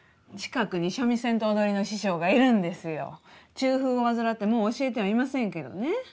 中風を患ってもう教えてはいませんけどね。